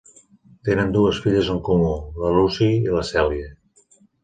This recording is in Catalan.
Tenen dues filles en comú, La Lucy i la Cèlia.